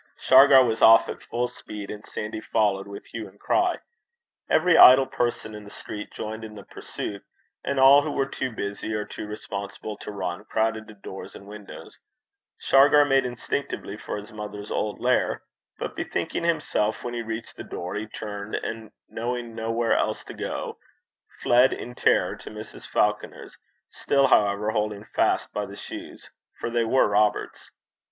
Shargar was off at full speed, and Sandy followed with hue and cry. Every idle person in the street joined in the pursuit, and all who were too busy or too respectable to run crowded to door and windows. Shargar made instinctively for his mother's old lair; but bethinking himself when he reached the door, he turned, and, knowing nowhere else to go, fled in terror to Mrs. Falconer's, still, however, holding fast by the shoes, for they were Robert's.